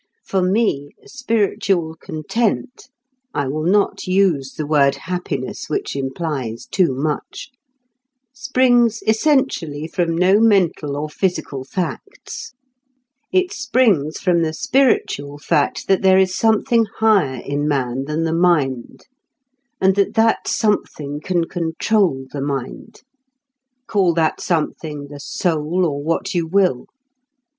For me, spiritual content (I will not use the word "happiness," which implies too much) springs essentially from no mental or physical facts. It springs from the spiritual fact that there is something higher in man than the mind, and that that something can control the mind. Call that something the soul, or what you will.